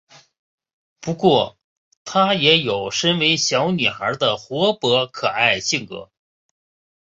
不过她也有身为小女孩的活泼可爱性格。